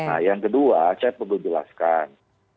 nah yang kedua saya perlu jelaskan